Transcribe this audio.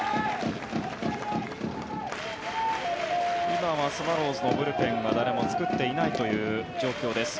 今はスワローズのブルペンは誰も作っていないという状況です。